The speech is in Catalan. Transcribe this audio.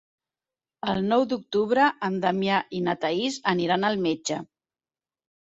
El nou d'octubre en Damià i na Thaís aniran al metge.